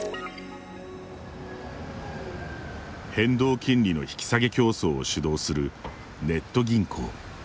変動金利の引き下げ競争を主導するネット銀行。